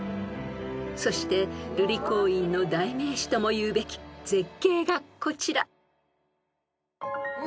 ［そして瑠璃光院の代名詞ともいうべき絶景がこちら］